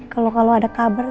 kalau kalau ada kabar entar